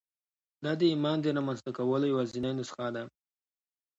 دا د ایمان د رامنځته کولو یوازېنۍ نسخه ده